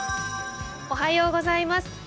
おはようございます。